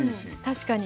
確かに。